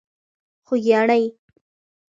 خوږیاڼۍ.